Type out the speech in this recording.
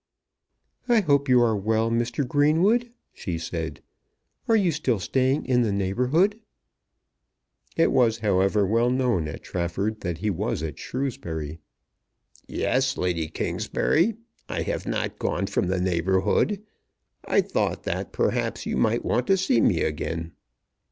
"I hope you are well, Mr. Greenwood," she said. "Are you still staying in the neighbourhood?" It was, however, well known at Trafford that he was at Shrewsbury. "Yes, Lady Kingsbury. I have not gone from the neighbourhood. I thought that perhaps you might want to see me again."